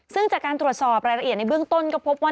ซึ่งจากการตรวจสอบรายละเอียดในเบื้องต้นก็พบว่า